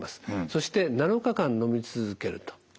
そして７日間のみ続けると。